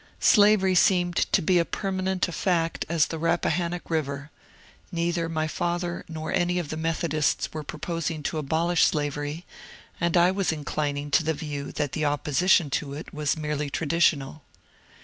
Slavery seemed to be as perma. nent a fact as the Rappahannock River ; neither my father nor any of the Methodists were proposing to abolish slavery, and I was inclining to the view that the opposition to it was merely traditional.